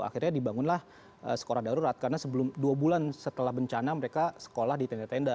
akhirnya dibangunlah sekolah darurat karena dua bulan setelah bencana mereka sekolah di tenda tenda